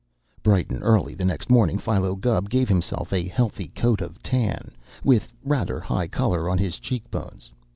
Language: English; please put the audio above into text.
Bright and early next morning, Philo Gubb gave himself a healthy coat of tan, with rather high color on his cheek bones.